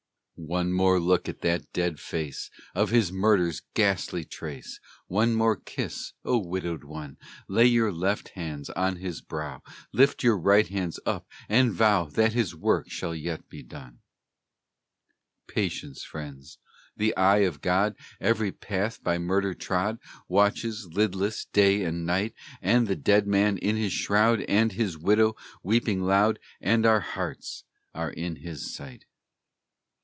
One more look of that dead face, Of his murder's ghastly trace! One more kiss, O widowed one! Lay your left hands on his brow, Lift your right hands up, and vow That his work shall yet be done. Patience, friends! The eye of God Every path by Murder trod Watches, lidless, day and night; And the dead man in his shroud, And his widow weeping loud, And our hearts, are in His sight.